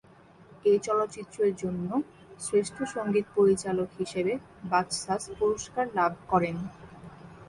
এ চলচ্চিত্রের জন্য শ্রেষ্ঠ সঙ্গীত পরিচালক হিসেবে বাচসাস পুরস্কার লাভ করেন।